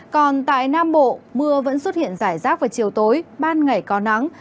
còn tại nam bộ mưa vẫn xuất hiện rải rác vào chiều tối ban ngày có nắng